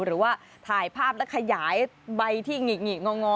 หรือว่าถ่ายภาพและขยายใบที่หงิกหิกงอ